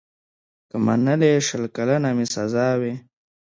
که منلې شل کلنه مي سزا وای